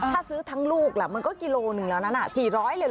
ถ้าซื้อทั้งลูกล่ะมันก็กิโลหนึ่งแล้วนะ๔๐๐เลยเห